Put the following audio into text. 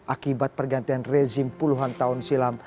akibat pergantian rezim puluhan tahun silam